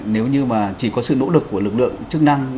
nếu như mà chỉ có sự nỗ lực của lực lượng chức năng